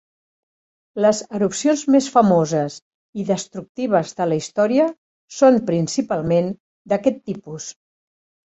Les erupcions més famoses i destructives de la història són principalment d'aquest tipus.